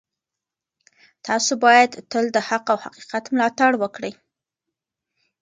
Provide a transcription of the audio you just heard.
تاسو باید تل د حق او حقیقت ملاتړ وکړئ.